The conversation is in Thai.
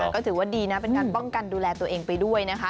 ก็ถือว่าดีนะเป็นการป้องกันดูแลตัวเองไปด้วยนะคะ